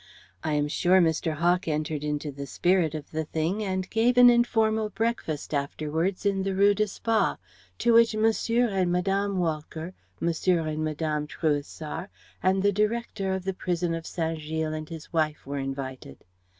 I am sure Mr. Hawk entered into the spirit of the thing and gave an informal breakfast afterwards in the Rue de Spa to which Mons. and Mme. Walcker, Mons. and Mme. Trouessart, and the Directeur of the prison of Saint Gilles and his wife were invited.